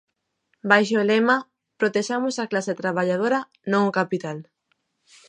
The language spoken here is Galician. Baixo o lema "Protexamos a clase traballadora, non o capital".